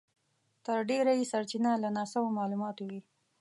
تر ډېره یې سرچينه له ناسمو مالوماتو وي.